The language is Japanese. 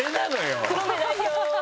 黒目代表。